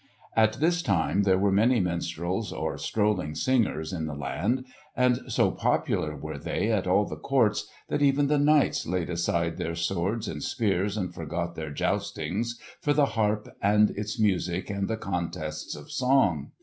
At this time there were many minstrels, or strolling singers, in the land, and so popular were they at all the courts that even the knights laid aside their swords and spears and forgot their joustings for the harp and its music and the contests of song.